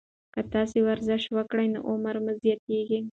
که تاسي ورزش وکړئ، نو عمر مو زیاتیږي.